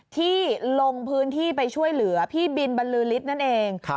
ที่ลงพื้นที่ไปช่วยเหลือพี่บินบรรลือฤทธิ์นั่นเอง